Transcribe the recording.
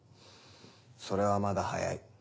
それはまだ早い。